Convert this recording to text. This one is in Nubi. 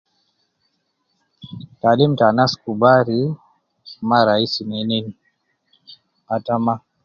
Taalim ta anas kubar ma raisi nena in, ata ma